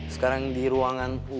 sekarang di ruangan